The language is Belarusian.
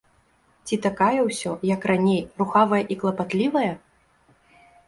Ці такая ўсё, як раней, рухавая і клапатлівая?